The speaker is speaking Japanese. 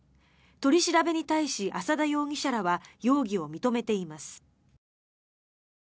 取り調べに対し浅田容疑者らは容疑を認めています。